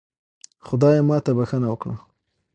خدایا ماته بښنه وکړه